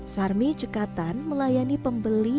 sarmie cekatan melayani pembeli